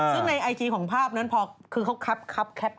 ซึ่งในไอจีของภาพนั้นพอคือเขาคับแคป